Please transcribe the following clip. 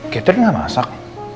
gater gak masak